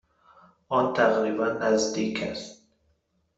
آن تقریبا نزدیک است.